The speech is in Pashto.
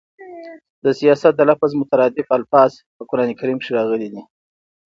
د سیاست د لفظ مترادف الفاظ په قران کريم کښي راغلي دي.